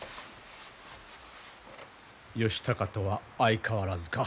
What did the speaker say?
義高とは相変わらずか？